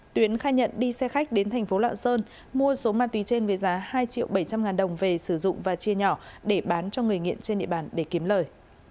tuyến khai nhận đi xe khách đến thành phố lạng sơn mua số ma túy trên với giá hai triệu bảy trăm linh ngàn đồng về sử dụng và chia nhỏ để bán cho người nghiện trên địa bàn để kiếm lời